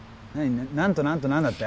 何と何と何だって？